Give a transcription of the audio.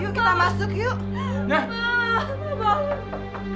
yuk kita masuk yuk